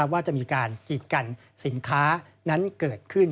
ว่าจะมีการกีดกันสินค้านั้นเกิดขึ้น